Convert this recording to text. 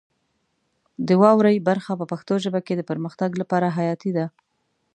د واورئ برخه په پښتو ژبه کې د پرمختګ لپاره حیاتي ده.